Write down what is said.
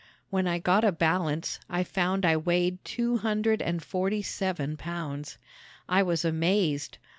When I got a balance I found I weighed two hundred and forty seven pounds. I was amazed!